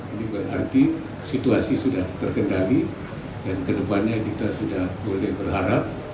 ini berarti situasi sudah terkendali dan kedepannya kita sudah boleh berharap